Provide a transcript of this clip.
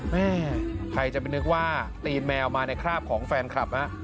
แม่ใครจะไปนึกว่าตีนแมวมาในคราบของแฟนคลับ